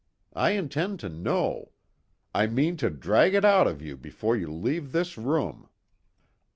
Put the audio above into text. I intend to know. I mean to drag it out of you before you leave this room!"